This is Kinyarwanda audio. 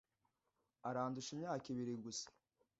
Arandusha imyaka ibiri gusa.